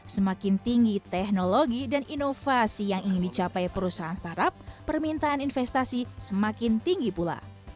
semakin tinggi teknologi dan inovasi yang ingin dicapai perusahaan startup permintaan investasi semakin tinggi pula